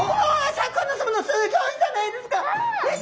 シャーク香音さまのすギョいじゃないですか！